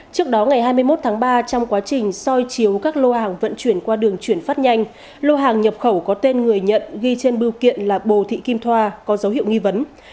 trước đó ngày hai mươi một tháng ba trong quá trình soi chiếu các lô hàng vận chuyển qua đường chuyển phát nhanh lô hàng nhập khẩu có tên người nhận ghi trên bưu kiện là bồ thị kim thoa có dấu hiệu nghi vấn